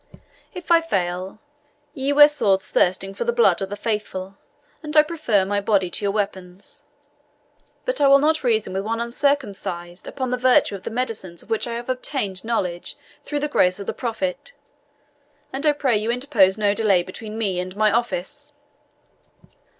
If I fail, ye wear swords thirsting for the blood of the faithful, and I proffer my body to your weapons. But I will not reason with one uncircumcised upon the virtue of the medicines of which I have obtained knowledge through the grace of the Prophet, and I pray you interpose no delay between me and my office."